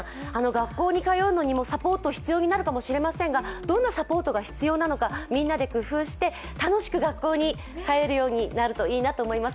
学校に通うのにもサポート必要になるのかもしれませんがどんなサポートが必要なのか、みんなで工夫して楽しく学校に通えるようになるといいなと思います。